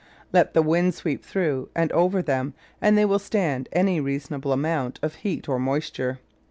Let the wind sweep through and over them and they will stand any reasonable amount of heat or moisture.